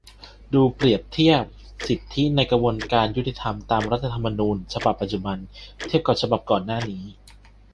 ดูเปรียบเทียบ สิทธิในกระบวนการยุติธรรม ตาม รัฐธรรมนูญ ฉบับปัจจุบัน เทียบกับฉบับก่อนหน้านี้